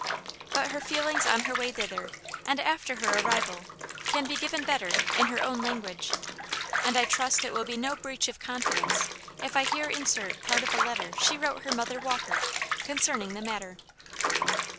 But her feelings on her way thither, and after her arrival, can be given better in her own language; and I trust it will be no breach of confidence if I here insert part of a letter she wrote her mother Walker, concerning the matter.